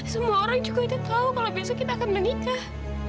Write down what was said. semua orang juga itu tahu kalau besok kita akan menikah